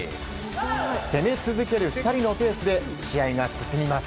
攻め続ける２人のペースで試合が進みます。